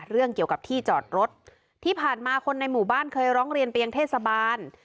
เรื่องเกี่ยวกับที่จอดรถที่ผ่านมาคนในหมู่บ้านเคยร้องเรียนไปยังเทศบาล